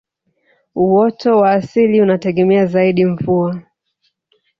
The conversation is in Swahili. uoto wa asili unategemea zaidi mvua